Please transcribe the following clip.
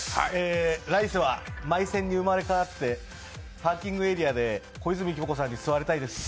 来世はマイセンに生まれ変わってパーキングエリアで小泉今日子さんに吸われたいです。